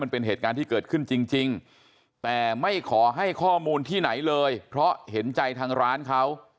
เป็นเหตุการณ์ที่เกิดขึ้นจริงแต่ไม่ขอให้ข้อมูลที่ไหนเลยเพราะเห็นใจทางร้านเขา